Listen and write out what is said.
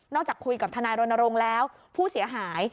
จากคุยกับทนายรณรงค์แล้วผู้เสียหาย